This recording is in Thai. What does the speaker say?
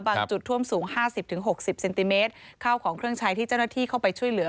จุดท่วมสูงห้าสิบถึงหกสิบเซนติเมตรข้าวของเครื่องใช้ที่เจ้าหน้าที่เข้าไปช่วยเหลือ